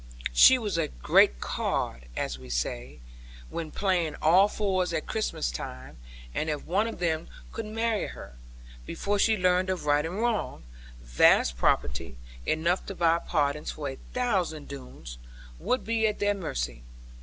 She was a 'great card,' as we say, when playing All fours at Christmas time; and if one of them could marry her, before she learned of right and wrong, vast property, enough to buy pardons for a thousand Doones, would be at their mercy.